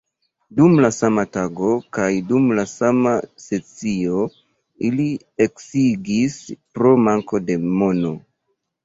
Dum la sama tago kaj dum la sama sesio, ili eksigis"—pro manko de mono!